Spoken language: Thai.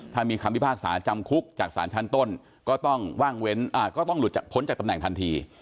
ถ้ามีคำพิพากษาจำคุกจากศาลชั้นต้นก็ต้องว่างเว้นก็ต้องหลุดพ้นจากตำแหน่งทันที